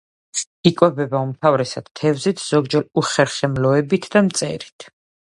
იკვებება უმთავრესად თევზით, ზოგჯერ უხერხემლოებით და მწერებით.